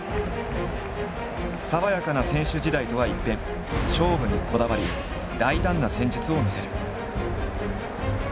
爽やかな選手時代とは一変勝負にこだわり大胆な戦術を見せる。